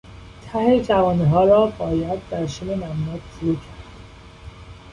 ته جوانهها را باید در شن نمناک فرو کرد.